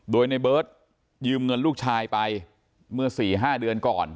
โดยในเบิร์ตยืมเงินลูกชายไปเมื่อ๔๕เดือนก่อน